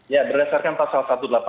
ya berdasarkan pasal satu